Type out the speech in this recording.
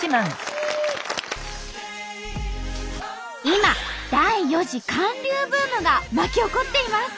今第４次韓流ブームが巻き起こっています。